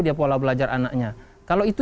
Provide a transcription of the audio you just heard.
dia pola belajar anaknya kalau itu